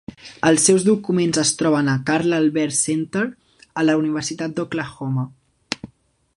Els seus documents es troben al Carl Albert Center a la Universitat d'Oklahoma.